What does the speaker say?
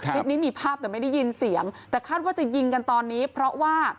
คลิปนี้มีภาพแต่ไม่ได้ยินเสียงแต่คาดว่าจะยิงกันตอนนี้เพราะว่า